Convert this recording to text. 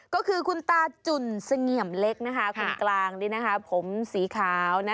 ก็คือคุณตาจุ่นสงี่ยำเล็กนะคะคุณกลางนี่นะคะผมสีขาวนะ